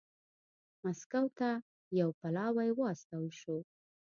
مسکو ته یو پلاوی واستول شو